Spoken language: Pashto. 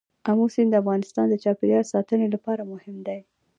آمو سیند د افغانستان د چاپیریال ساتنې لپاره مهم دي.